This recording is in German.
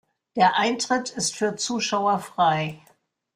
Der Eintritt ist für Zuschauer frei.